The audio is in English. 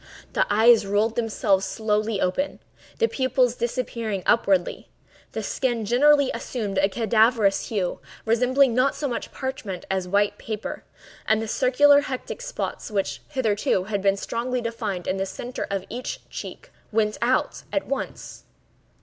The eyes rolled themselves slowly open, the pupils disappearing upwardly; the skin generally assumed a cadaverous hue, resembling not so much parchment as white paper; and the circular hectic spots which, hitherto, had been strongly defined in the centre of each cheek, went out at once.